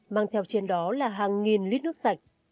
mang theo trên đó là hàng nghìn lít nước sạch